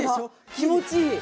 気持ちいい！